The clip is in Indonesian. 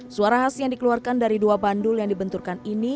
suara khas yang dikeluarkan dari dua bandul yang dibenturkan ini